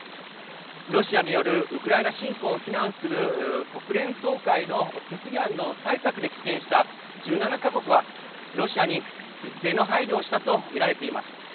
ロシアによるウクライナ侵攻を非難する国連総会の決議案の採択で棄権した１７か国は、ロシアに一定の配慮をしたと見られています。